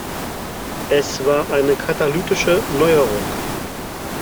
Es war eine katalytische Neuerung.